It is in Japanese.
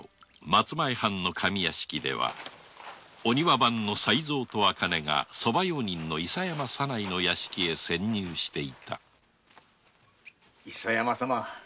松前藩の上屋敷ではお庭番の才三と茜が側用人の伊佐山左内の屋敷へ潜入していた伊佐山様